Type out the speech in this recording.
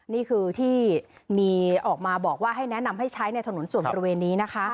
นี่คือที่มีออกมาบอกว่าให้แนะนำให้ใช้ในถนนส่วนบริเวณนี้นะคะ